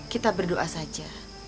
kita berdoa saja